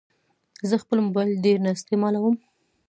زه خپل موبایل ډېر نه استعمالوم.